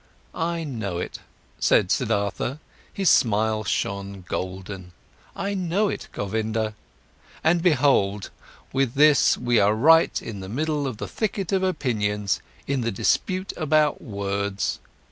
"I know it," said Siddhartha; his smile shone golden. "I know it, Govinda. And behold, with this we are right in the middle of the thicket of opinions, in the dispute about words.